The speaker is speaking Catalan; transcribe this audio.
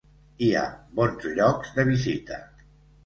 Hi ha bons llocs de visita.